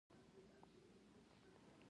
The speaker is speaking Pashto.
جان لینون وایي خوشحالي د ژوند معنا ده.